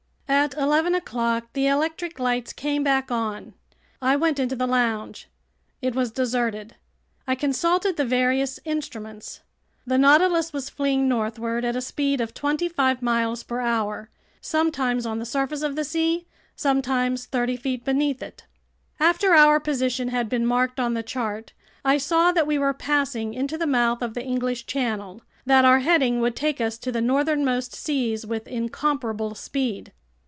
At eleven o'clock the electric lights came back on. I went into the lounge. It was deserted. I consulted the various instruments. The Nautilus was fleeing northward at a speed of twenty five miles per hour, sometimes on the surface of the sea, sometimes thirty feet beneath it. After our position had been marked on the chart, I saw that we were passing into the mouth of the English Channel, that our heading would take us to the northernmost seas with incomparable speed.